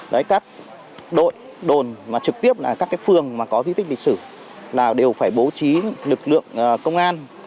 đấy các đội đồn mà trực tiếp là các cái phường mà có di tích lịch sử là đều phải bố trí lực lượng công an